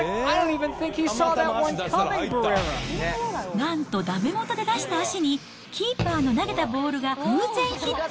なんとだめもとで出した足に、キーパーの投げたボールが偶然ヒット。